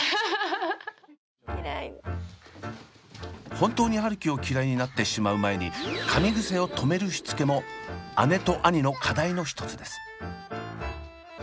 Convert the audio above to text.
本当に春輝を嫌いになってしまう前にかみ癖を止めるしつけも姉と兄の課題の一つです。